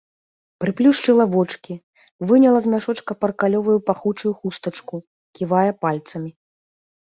Прыплюшчыла вочкі, выняла з мяшочка паркалёвую пахучую хустачку, ківае пальцамі.